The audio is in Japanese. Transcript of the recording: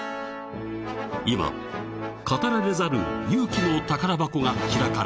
［今語られざる勇気の宝箱が開かれる］